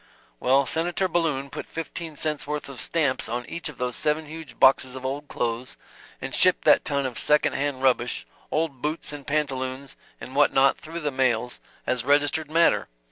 "Well Senator Balloon put fifteen cents worth of stamps on each of those seven huge boxes of old clothes, and shipped that ton of second hand rubbish, old boots and pantaloons and what not through the mails as registered matter!